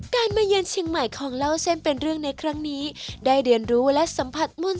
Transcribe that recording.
มาเยือนเชียงใหม่ของเล่าเส้นเป็นเรื่องในครั้งนี้ได้เรียนรู้และสัมผัสมุ่น